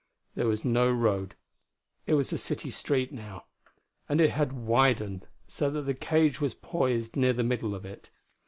There was no road; it was a city street now; and it had widened so that the cage was poised near the middle of it.